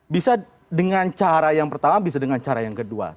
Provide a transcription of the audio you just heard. bisa dengan cara yang pertama bisa dengan cara yang kedua